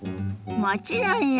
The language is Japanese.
もちろんよ！